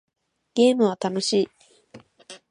ゲームは楽しい